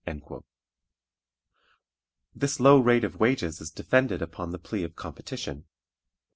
" This low rate of wages is defended upon the plea of competition.